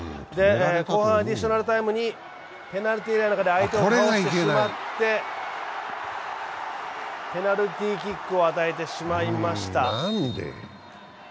後半アディショナルタイムにペナルティーエリアで相手を倒してしまって、ペナルティーキックを与えてしまいました。